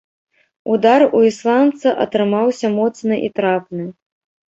Удар у ісландца атрымаўся моцны і трапны.